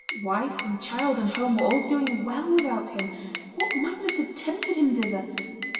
Wife, and child, and home, were all doing well without him; what madness had tempted him thither?